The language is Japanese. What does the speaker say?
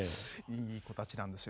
いい子たちなんですよ。